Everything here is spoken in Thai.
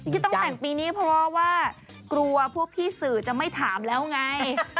ที่ต้องแต่งปีนี้เพราะว่ากลัวพวกพี่สื่อจะไม่ถามแล้วไง